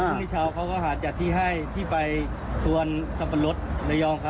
พวกนี้ชาวเขาก็หาจัดที่ให้ที่ไปส่วนสรรพรสระยองครับ